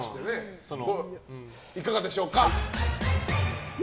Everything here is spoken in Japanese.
いかがでしょうか？